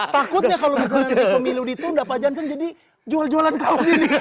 takutnya kalau misalnya pemilu ditunda pak jenson jadi jual jualan kawas ini